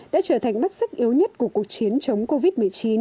đã trở thành mắt sức yếu nhất của cuộc chiến chống covid một mươi chín